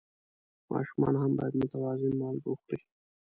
ماشومان هم باید متوازن مالګه وخوري.